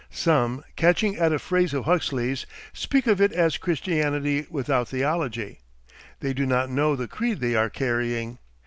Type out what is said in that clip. Some, catching at a phrase of Huxley's, speak of it as Christianity without Theology. They do not know the creed they are carrying.